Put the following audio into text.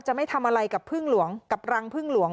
ไม่ทำอะไรกับพึ่งหลวงกับรังพึ่งหลวง